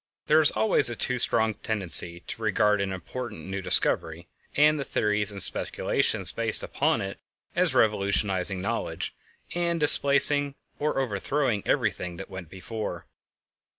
There is always a too strong tendency to regard an important new discovery and the theories and speculations based upon it as revolutionizing knowledge, and displacing or overthrowing everything that went before.